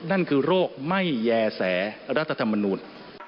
นั่นคือโรคไม่แย่แสรัฐธรรมนูล